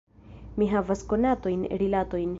Mi havas konatojn, rilatojn.